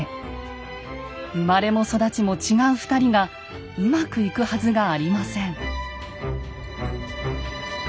生まれも育ちも違う２人がうまくいくはずがありません。